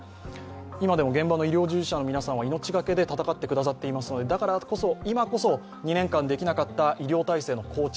今でも現場の医療従事者の皆さんは命懸けで戦ってくださっていますのでだからこそ、今こそ２年間できなかった医療体制の構築